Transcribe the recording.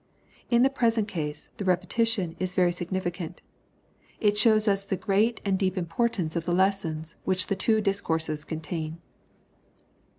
In the present case, the repetition is very signifi cant. It shows us the great and deep importance of the lessons which the two discourses contain.